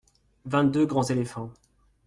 Vingt-deux grands éléphants.